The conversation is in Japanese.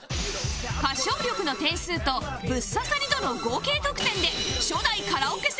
歌唱力の点数とブッ刺さり度の合計得点で